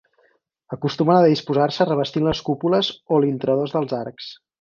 Acostumen a disposar-se revestint les cúpules o l'intradós dels arcs.